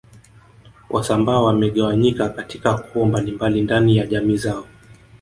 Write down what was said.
Wasambaa wamegawanyika katika koo mbalimbali ndani ya jamii zao